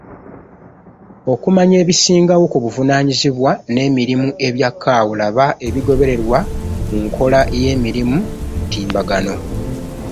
Okumanya ebisingawo ku buvunanyizibwa n’emirimu ebya CAO, laba ebigobererwa mu nkola y’emirimu kumutimbagano.